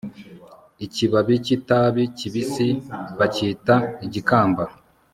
ikibabi cy'itabi kibisi bacyita igikamba